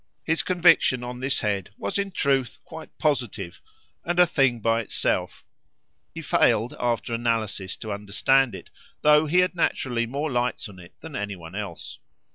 His conviction on this head was in truth quite positive and a thing by itself; he failed, after analysis, to understand it, though he had naturally more lights on it than any one else.